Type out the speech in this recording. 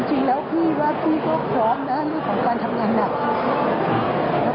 จริงแล้วพี่ว่าพี่ก็พร้อมนะเรื่องของการทำงานหนัก